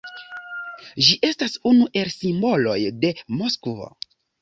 Ĝi estas unu el simboloj de Moskvo.